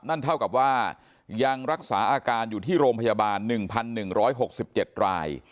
นั่นเท่ากับว่ายังรักษาอาการอยู่ที่โรงพยาบาล๑๑๖๗ราย